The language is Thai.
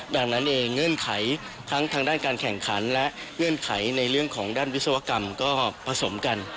ดังนั้นเองเงื่อนไขทั้งทางด้านการแข่งขันและเงื่อนไขในเรื่องของด้านวิศวกรรมก็ผสมกัน